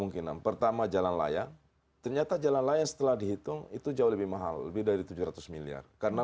untuk apa dan bagaimana